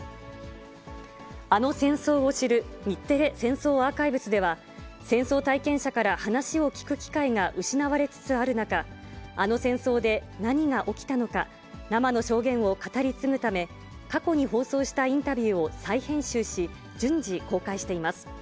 あの戦争を知る日テレ戦争アーカイブスでは、戦争体験者から話を聞く機会が失われつつある中、あの戦争で何が起きたのか、生の証言を語り継ぐため、過去に放送したインタビューを再編集し、順次公開しています。